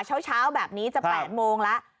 เช้าแบบนี้จะ๘โมงแล้ว